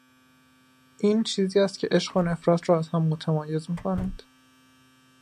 این چیزی است که عشق و نفرت را از هم متمایز میکند.